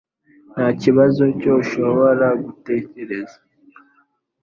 Ntakibazo icyo ushobora gutekereza